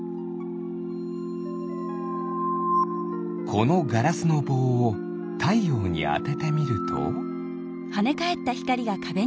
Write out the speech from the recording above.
このガラスのぼうをたいようにあててみると？